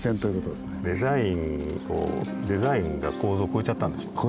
デザインが構造を超えちゃったんでしょうね。